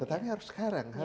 tetapi harus sekarang